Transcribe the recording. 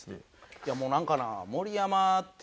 「いやもうなんかな」。